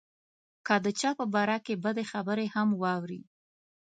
که د چا په باره کې بدې خبرې هم واوري.